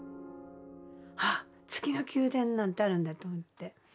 あっ月の宮殿なんてあるんだと思って。